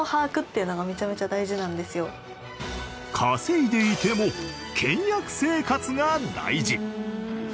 稼いでいても倹約生活が大事。